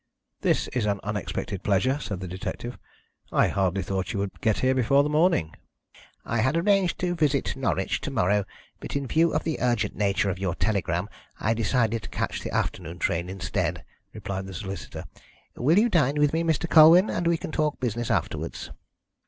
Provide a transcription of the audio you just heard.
"This is an unexpected pleasure," said the detective. "I hardly thought you would get here before the morning." "I had arranged to visit Norwich to morrow, but in view of the urgent nature of your telegram I decided to catch the afternoon train instead," replied the solicitor. "Will you dine with me, Mr. Colwyn, and we can talk business afterwards."